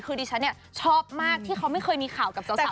คือดิฉันชอบมากที่เขาไม่เคยมีข่าวกับสาวคนไหนเลย